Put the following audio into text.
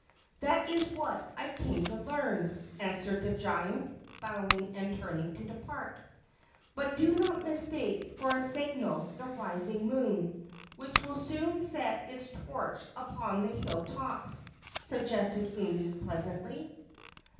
"That is what I came to learn," answered the giant, bowing and turning to depart. "But do not mistake for a signal the rising moon, which will soon set its torch upon the hill tops," suggested Umi, pleasantly.